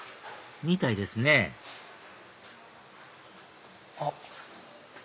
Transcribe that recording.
みたいですねあっ。